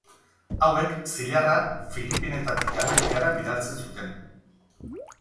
Hauek zilarra Filipinetatik Amerikara bidaltzen zuten.